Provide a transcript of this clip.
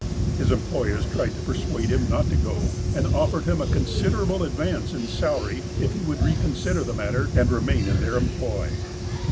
His employers tried to persuade him not to go, and offered him a considerable advance in salary if he would reconsider the matter and remain in their employ.